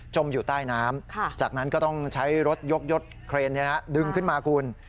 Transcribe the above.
อยู่ใต้น้ำจากนั้นก็ต้องใช้รถยกยดเครนดึงขึ้นมาคุณ